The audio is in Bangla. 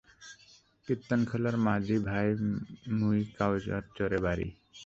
কের্তনখোলার মাঝি ভাই মুই কাউয়ার চরে বাড়ি।